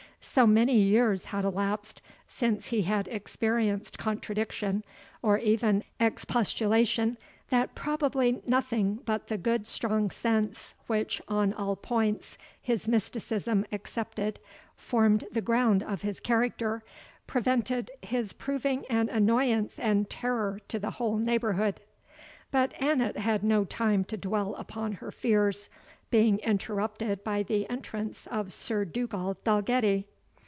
So many years had elapsed since he had experienced contradiction, or even expostulation, that probably nothing but the strong good sense, which, on all points, his mysticism excepted, formed the ground of his character, prevented his proving an annoyance and terror to the whole neighbourhood. But Annot had no time to dwell upon her fears, being interrupted by the entrance of Sir Dugald Dalgetty.